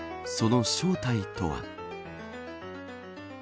その正体とは。